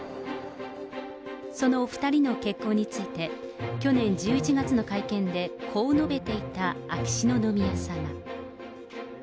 そのお２人の結婚について、去年１１月の会見でこう述べていた秋篠宮さま。